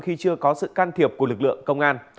khi chưa có sự can thiệp của lực lượng công an